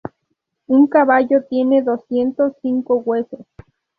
Un caballo tiene doscientos cinco huesos.